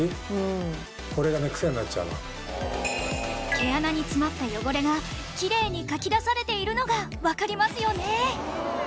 毛穴に詰まった汚れがキレイにかき出されているのが分かりますよね